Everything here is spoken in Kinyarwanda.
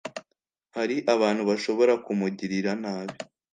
hari abantu bashobora kumugirira nabi